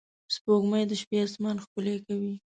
سپوږمۍ د شپې آسمان ښکلی کوي